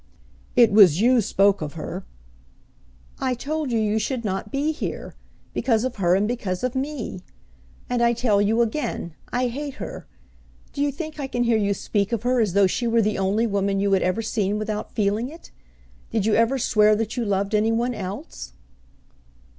"It was you spoke of her." "I told you you should not be here, because of her and because of me. And I tell you again, I hate her. Do you think I can hear you speak of her as though she were the only woman you had ever seen without feeling it? Did you ever swear that you loved any one else?"